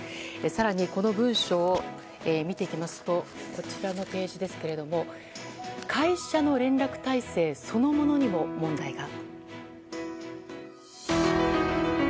更に、この文書を見ていきますとこちらのページですけれども会社の連絡体制そのものにも問題が。